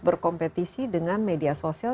berkompetisi dengan media sosial